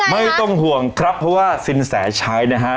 ไม่ต้องห่วงครับเพราะว่าสินแสใช้นะฮะ